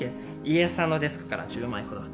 家康さんのデスクから１０枚ほど。